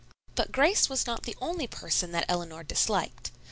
But Grace was not the only person that Eleanor disliked.